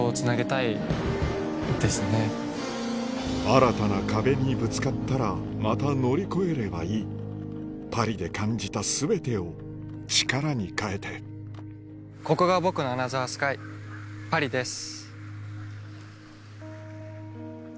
新たな壁にぶつかったらまた乗り越えればいいパリで感じた全てを力に変えてここが僕のアナザースカイパリです。